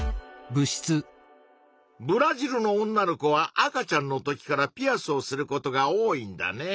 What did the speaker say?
ブラジルの女の子は赤ちゃんの時からピアスをすることが多いんだね。